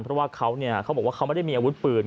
เพราะว่าเขาบอกว่าเขาไม่ได้มีอาวุธปืน